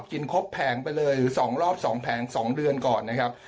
กินครบแผงไปเลย๒รอบ๒แผง๒เดือนก่อนนะครับ